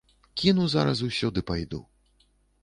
Кіну зараз усё ды пайду.